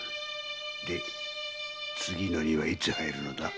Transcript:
で次の荷はいつ入るのだ？